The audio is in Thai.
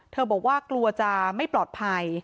บอกว่ากลัวจะไม่ปลอดภัย